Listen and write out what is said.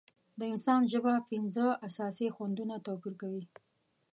د انسان ژبه پنځه اساسي خوندونه توپیر کوي.